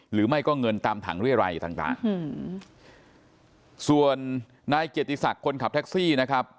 หรือไม่ก็เงินตามถังเรียรัยต่างต่างอืมส่วนนายเกียรติศักดิ์คนขับแท็กซี่นะครับ